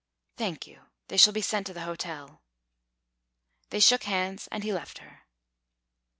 "Thank you. They shall be sent to the hotel." They shook hands, and he left her.